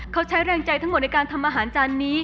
เขาใช้แรงใจทั้งหมดในการทำอาหารจานนี้